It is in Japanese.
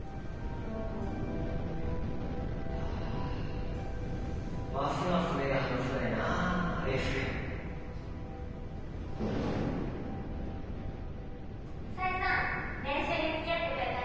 ああますます目が離せないなあ英寿くん。冴さん練習に付き合ってくれてありがとう。